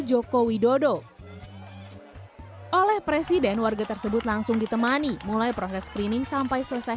joko widodo oleh presiden warga tersebut langsung ditemani mulai proses screening sampai selesai